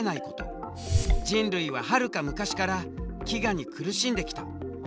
人類ははるか昔から飢餓に苦しんできた。